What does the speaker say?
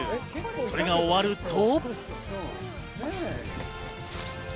それが終わると。